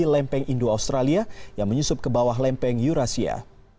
lempeng indo australia yang menyusup ke bawah lempeng eurasia